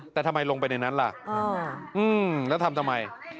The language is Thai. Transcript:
แต่ทำไมลงไปในนั้นล่ะแล้วทำทำไม